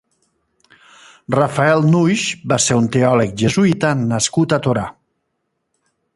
Rafael Nuix va ser un teòleg jesuïta nascut a Torà.